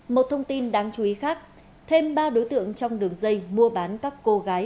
một thông tin đáng chú ý khác thêm ba đối tượng trong đường dây mua bán các cô gái